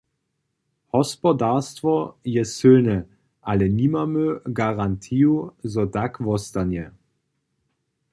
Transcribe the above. Hospodarstwo je sylne, ale nimamy garantiju, zo tak wostanje.